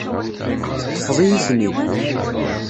Teṭṭfeḍ-iyi-ten-id.